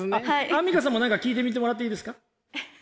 あんみかんさんも何か聞いてみてもらっていいですか？